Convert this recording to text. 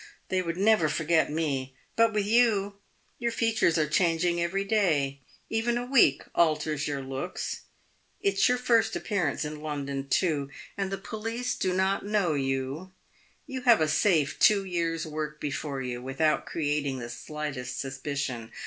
They would never forget me. But with you, your features are changing every day ; even a week alters your looks. It's your first appearance in London, too, and the police do not know you. You have a safe two years' work before you, without creating the slightest suspicion.